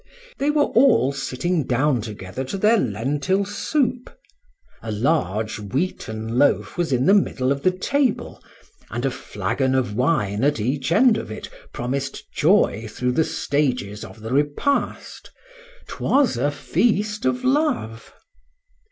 They were all sitting down together to their lentil soup; a large wheaten loaf was in the middle of the table; and a flagon of wine at each end of it promised joy through the stages of the repast:—'twas a feast of love.